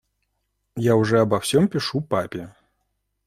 Я уже обо всем пишу папе.